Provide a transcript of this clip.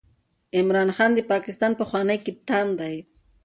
عمران خان د پاکستان پخوانی کپتان دئ.